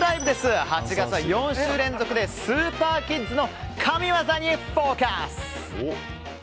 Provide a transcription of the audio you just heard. ８月は４週連続でスーパーキッズの神業にフォーカス。